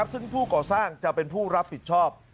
ซึ่งผู้ก่อสร้างจะเป็นผู้รับผิดชอบ